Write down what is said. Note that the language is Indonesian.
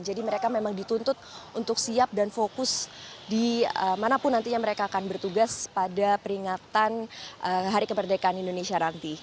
jadi mereka memang dituntut untuk siap dan fokus di manapun nantinya mereka akan bertugas pada peringatan hari keperdekaan indonesia rangti